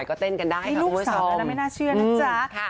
แต่ต้องอดใจแป๊บนึงนะคะยังไงไปเล่นแน่นอนค่ะ